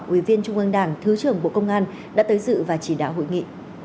ủy viên trung ương đảng thứ trưởng bộ công an đã tới dự và chỉ đạo hội nghị